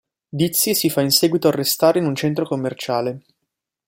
Dizzy si fa in seguito arrestare in un centro commerciale.